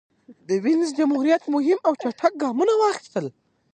د وینز جمهوریت مهم او چټک ګامونه واخیستل.